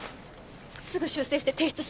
すぐ修正して提出します。